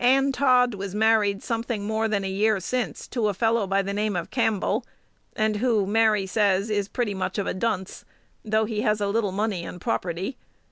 Ann Todd was married something more than a year since to a fellow by the name of Campbell, and who, Mary says, is pretty much of a "dunce," though he has a little money and property.